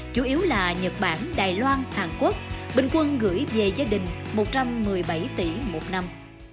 chủ yếu là nhật bản đài loan hàn quốc bình quân gửi về gia đình một trăm một mươi bảy tỷ một năm